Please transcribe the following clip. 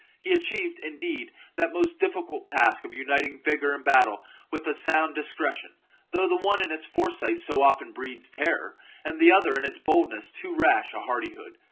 He achieved, indeed, that most difficult task of uniting vigour in battle with a sound discretion, though the one in its foresight so often breeds terror, and the other in its boldness too rash a hardihood.